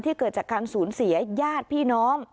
ที่เกิดจากการศูนย์เสียญาติพี่น้อง